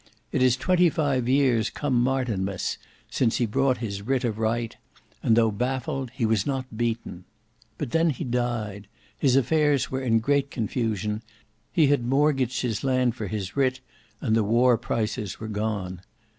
It is twenty five years come Martinmas since he brought his writ of right; and though baffled, he was not beaten. But then he died; his affairs were in great confusion; he had mortgaged his land for his writ, and the war prices were gone.